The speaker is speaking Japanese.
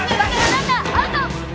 ランナーアウト！